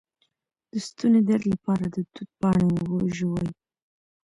د ستوني درد لپاره د توت پاڼې وژويئ